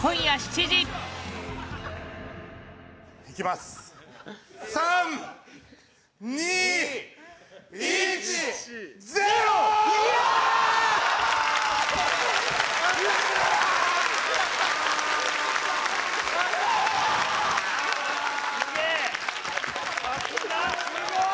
・すごい！